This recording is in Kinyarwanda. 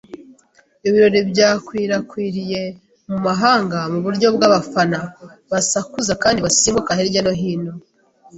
Ibirori byakwirakwiriye mu mahanga, mu buryo bw'abafana, basakuza kandi basimbuka hirya no hino.